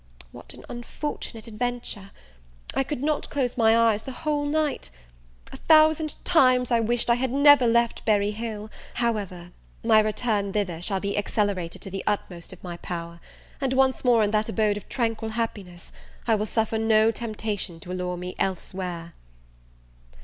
What an unfortunate adventure! I could not close my eyes the whole night. A thousand times I wished I had never left Berry Hill: however, my return thither shall be accelerated to the utmost of my power; and, once more in that abode of tranquil happiness, I will suffer no temptation to allure me elsewhere.